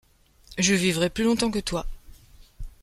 Je vivrai plus long-temps que toi !